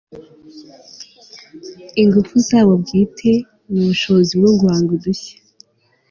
ingufu zabo bwite n'ubushobozi bwo guhanga udishya